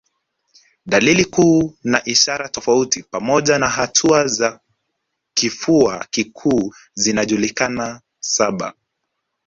Dalili kuu na ishara tofauti pamoja na hatua za kifua kikuu zinajulikana saba